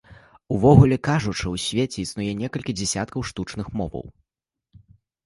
Увогуле кажучы, у свеце існуе некалькі дзесяткаў штучных моваў.